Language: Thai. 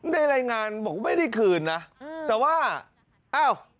ได้รายงานบอกว่าไม่ได้คืนนะแต่ว่าอ้าว